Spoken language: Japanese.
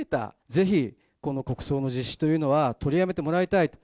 ぜひ、この国葬の実施というのは、取りやめてもらいたいと。